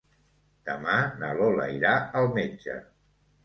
Demà na Lola irà al metge.